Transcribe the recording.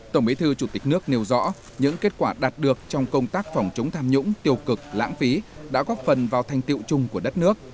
tổng bí thư chủ tịch nước nêu rõ những kết quả đạt được trong công tác phòng chống tham nhũng tiêu cực lãng phí đã góp phần vào thành tiệu chung của đất nước